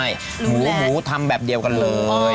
หมูทำแบบเดียวกันเลย